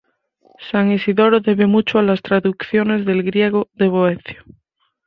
San Isidoro debe mucho a las traducciones del griego de Boecio.